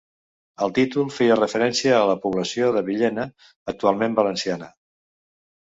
El títol feia referència a la població de Villena, actualment valenciana.